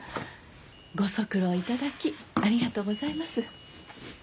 ご足労いただきありがとうございます。